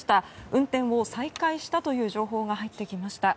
運転を再開したという情報が入ってきました。